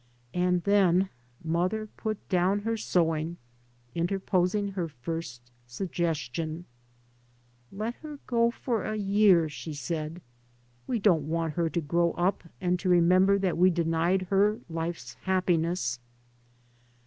And then mother put down her sewing, interposing her first su^estion: " Let her go for a year," she said. " We don't want her to grow up and to remember that we denied her life's happiness."